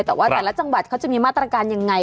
แต่ว่าแต่ละจังหวัดเขาจะมีมาตรการยังไง